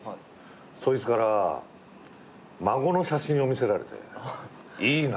そいつから孫の写真を見せられていいなって。